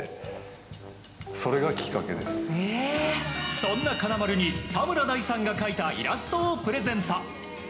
そんな金丸に田村大さんが描いたイラストをプレゼント。